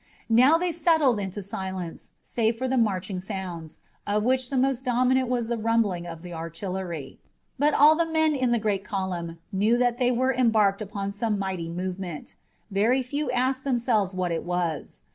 Now they settled into silence, save for the marching sounds, of which the most dominant was the rumbling of the artillery. But all the men in the great column knew that they were embarked upon some mighty movement. Very few asked themselves what it was.